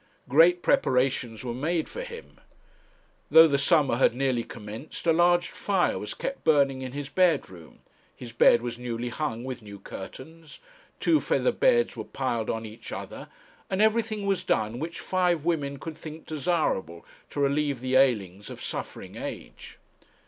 Great preparations were made for him. Though the summer had nearly commenced, a large fire was kept burning in his bedroom his bed was newly hung with new curtains; two feather beds were piled on each other, and everything was done which five women could think desirable to relieve the ailings of suffering age.